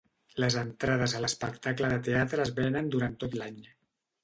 Les entrades a l'espectacle de teatre es venen durant tot l'any.